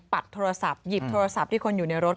โทรศัพท์หยิบโทรศัพท์ที่คนอยู่ในรถ